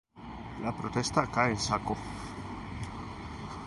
La protesta cae en saco.